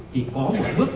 thì có một bước